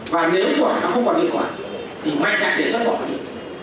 và nếu nguồn nó không còn điện thoại thì mạnh trạng để sắp bỏ điện